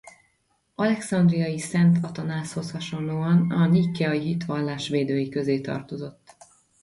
Alexandriai Szent Atanázhoz hasonlóan a niceai hitvallás védői közé tartozott.